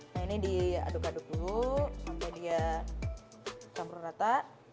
nah ini diaduk aduk dulu sampai dia campur rata